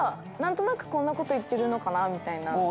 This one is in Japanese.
何となくこんなこと言ってるのかなみたいな。